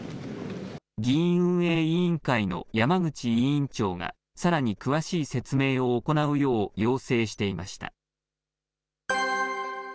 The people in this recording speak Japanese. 議院運営委員会の山口委員長が、さらに詳しい説明を行うよう要請していました。